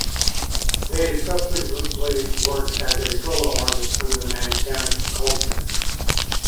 Dayes subsequently worked as a solo artist under the name Kenneth Culture.